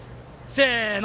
せーの。